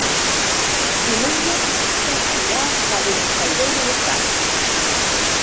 Diumenge en Cesc irà a Benifairó de les Valls.